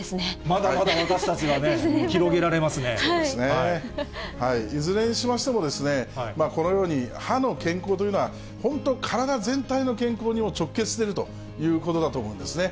まだまだ、私たちはね、いずれにしましても、このように歯の健康というのは、本当、体全体の健康にも直結しているということだと思うんですね。